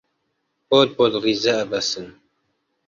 پۆل پۆل ڕیزە ئەبەسن